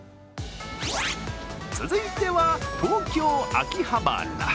続いては東京・秋葉原。